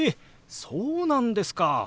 そうなんですか！